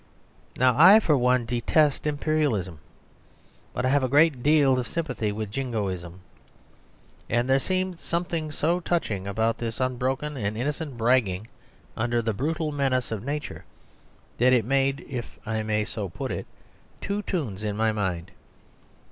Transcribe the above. Now, I for one detest Imperialism, but I have a great deal of sympathy with Jingoism. And there seemed something so touching about this unbroken and innocent bragging under the brutal menace of Nature that it made, if I may so put it, two tunes in my mind.